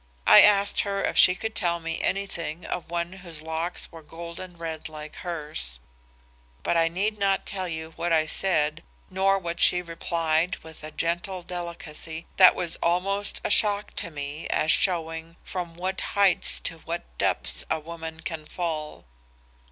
I asked her if she could tell me anything of one whose locks were golden red like hers But I need not tell you what I said nor what she replied with a gentle delicacy that was almost a shock to me as showing from what heights to what depths a woman can fall.